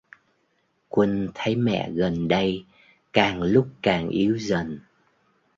Quân thấy mẹ gần đây càng lúc càng yếu dần